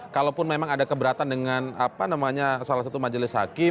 kalaupun memang ada keberatan dengan salah satu majelis hakim